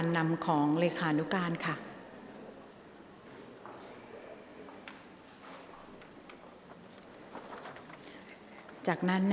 กรรมการท่านที่สี่ได้แก่กรรมการใหม่เลขเก้า